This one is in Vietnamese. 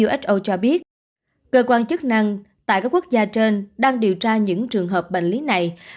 so cho biết cơ quan chức năng tại các quốc gia trên đang điều tra những trường hợp bệnh lý này